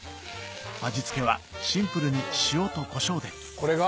味付けはシンプルに塩とコショウでこれが？